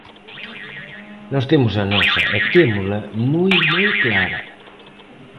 Nós temos a nosa e témola moi, moi clara.